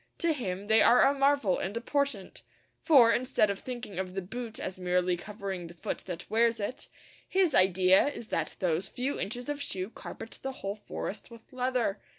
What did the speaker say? To him they are a marvel and a portent, for, instead of thinking of the boot as merely covering the foot that wears it, his idea is that those few inches of shoe carpet the whole forest with leather.